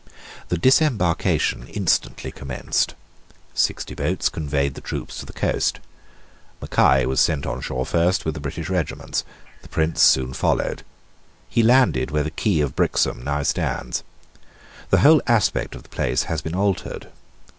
The disembarkation instantly commenced. Sixty boats conveyed the troops to the coast. Mackay was sent on shore first with the British regiments. The Prince soon followed. He landed where the quay of Brixham now stands. The whole aspect of the place has been altered.